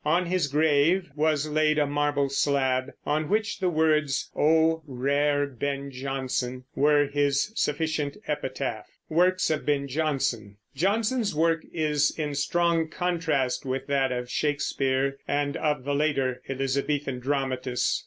On his grave was laid a marble slab, on which the words "O rare Ben Jonson" were his sufficient epitaph. WORKS OF BEN JONSON. Jonson's work is in strong contrast with that of Shakespeare and of the later Elizabethan dramatists.